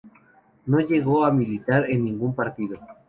No llegó a militar en ningún partido.